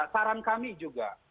saran kami juga